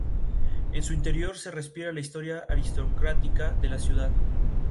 El resultado fue Gentleman.